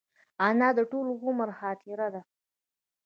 انا د ټول عمر خاطره ده